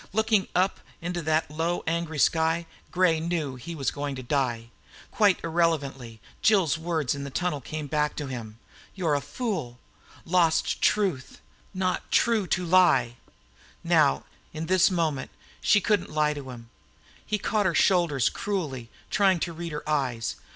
Looking up into that low, angry sky, Gray knew he was going to die. Quite irrelevantly, Jill's words in the tunnel came back to him. "You're a fool ... lost truth ... not true to lie!" Now, in this moment, she couldn't lie to him. He caught her shoulders cruelly, trying to read her eyes.